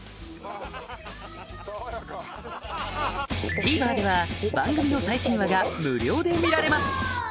ＴＶｅｒでは番組の最新話が無料で見られます